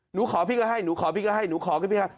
หนูขอพี่ก็ให้หนูขอพี่ก็ให้หนูขอก็พี่ให้